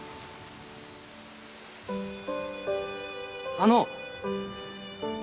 あの！